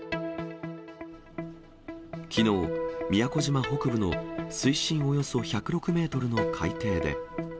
きのう、宮古島北部の水深およそ１０６メートルの海底で。